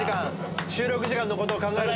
収録時間のことを考えると。